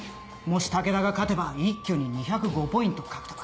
もし武田が勝てば一挙に２０５ポイント獲得。